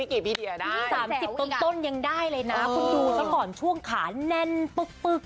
ก็อยู่ตั้งแต่ช่วงขาแน่นเลย